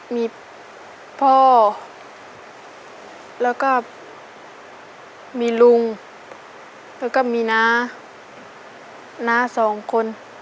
มีพ่อแล้วก็มีลุงแล้วก็มีน้าน้าสองคน